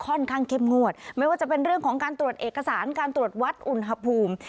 เข้มงวดไม่ว่าจะเป็นเรื่องของการตรวจเอกสารการตรวจวัดอุณหภูมิ